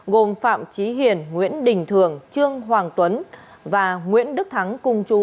gồm phạm trí hiền nguyễn đình thường trương hoàng tuấn và nguyễn đức thắng cùng chú